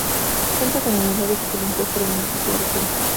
Cuenta con el honorable título impuesto de "Municipio Europeo".